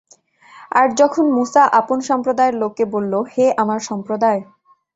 আর যখন মূসা আপন সম্প্রদায়ের লোককে বলল, হে আমার সম্প্রদায়!